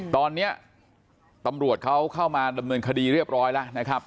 ตอนนี้ตำรวจเขาเข้ามาดำเนินคดีเรียบร้อยแล้วนะครับ